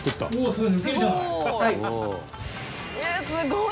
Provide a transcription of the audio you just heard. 「すごい！」